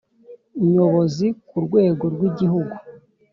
Nyobozi ku rwego rw igihugu